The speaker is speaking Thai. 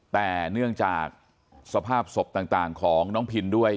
แต่เนื่องจากสภาพศพต่างของน้องพินด้วย